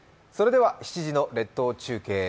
それでは７時の列島中継。